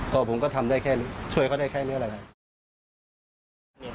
ก็ผมก็ทำได้แค่ช่วยเขาได้แค่นี้แหละครับ